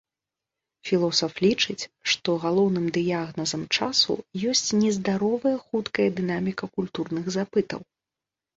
Філосаф лічыць, што галоўным дыягназам часу ёсць нездаровая хуткая дынаміка культурных запытаў.